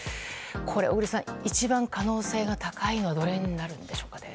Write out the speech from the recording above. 小栗さん、一番可能性が高いのはどれになるんでしょう？